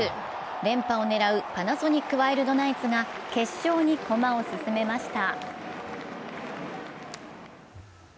連覇を狙うパナソニックワイルドナイツが決勝にこまを進めました。